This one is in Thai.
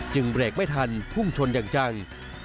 เบรกไม่ทันพุ่งชนอย่างจัง